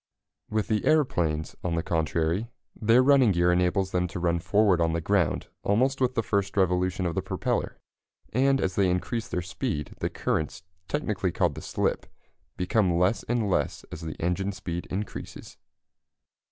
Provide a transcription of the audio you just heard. With the aeroplanes, on the contrary, their running gear enables them to run forward on the ground almost with the first revolution of the propeller, and as they increase their speed the currents technically called the "slip" become less and less as the engine speed increases.